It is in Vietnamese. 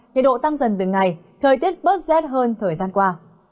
nhiệt độ tăng dần từng ngày thời tiết bớt rét hơn thời gian qua